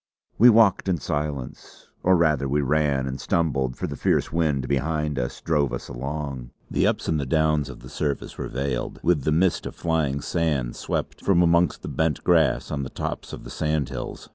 We walked in silence; or rather we ran and stumbled, for the fierce wind behind us drove us along. The ups and downs of the surface were veiled with the mist of flying sand swept from amongst the bent grass on the tops of the sandhills.